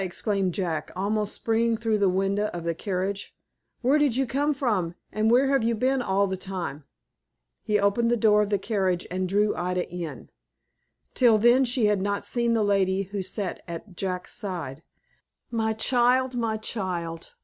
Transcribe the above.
exclaimed Jack, almost springing through the window of the carriage. "Where did you come from, and where have you been all the time?" He opened the door of the carriage, and drew Ida in. Till then she had not seen the lady who sat at Jack's side. "My child, my child!